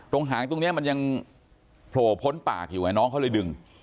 หางตรงนี้มันยังโผล่พ้นปากอยู่ไงน้องเขาเลยดึง